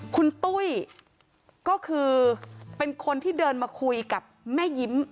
คุณตุ้ยก็คือเป็นคนที่เดินมาคุยกับแม่ยิ้ม